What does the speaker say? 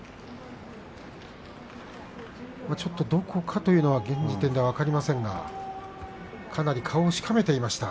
ちょっと、どこかというのは現時点では分かりませんがかなり顔をしかめていました